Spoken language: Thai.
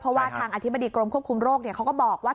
เพราะว่าทางอธิบดีกรมควบคุมโรคเขาก็บอกว่า